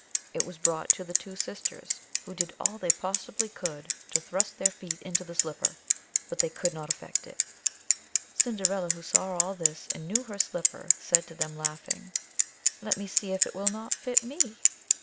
It was brought to the two sisters, who did all they possibly could to thrust their feet into the slipper, but they could not effect it. Cinderilla, who saw all this, and knew her slipper, said to them laughing: "Let me see if it will not fit me?"